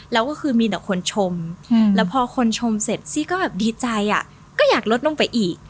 แล้วก็คือมีแต่คนชมแล้วพอคนชมเสร็จซี่ก็แบบดีใจก็อยากลดลงไปอีก